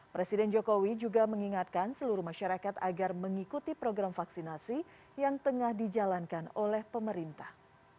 presiden jokowi juga mengingatkan seluruh masyarakat agar mengikuti program vaksinasi yang tengah dijalankan oleh pemerintah